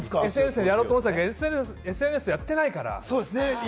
ＳＮＳでやろうと思ったけれども、ＳＮＳやっていないから。